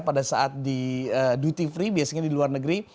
pada saat di duty free biasanya di luar negeri